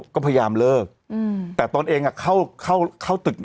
ก็พยายามเลิกอืมแต่ตอนเองอ่ะเข้าเข้าเข้าตึก